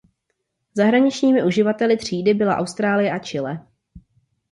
Zahraničními uživateli třídy byla Austrálie a Chile.